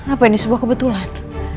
apa ini sebuah kebetulan